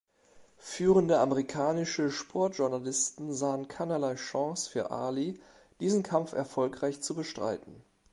Führende amerikanische Sportjournalisten sahen keinerlei Chance für Ali, diesen Kampf erfolgreich zu bestreiten.